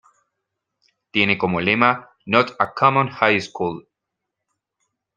Tiene como lema ""Not a common High School"".